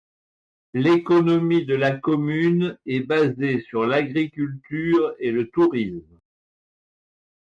L'économie de la commune est basée sur l'agriculture et le tourisme.